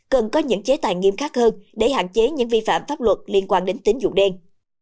cần có những chế tài nghiêm khắc hơn để hạn chế những vi phạm pháp luật liên quan đến tính dụng đen